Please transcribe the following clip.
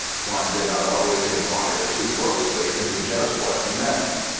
One did not always inquire too closely into just what he meant.